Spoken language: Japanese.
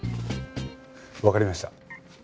わかりました。